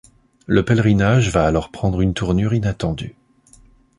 Le pèlerinage va alors prendre une tournure inattendue.